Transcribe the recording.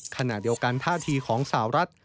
ขณะเดียวกันท่าทีของสาวรัฐ